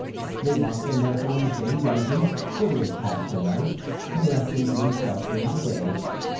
They locked the mercer in the same dungeon where he had passed the night, and left him to himself during the day.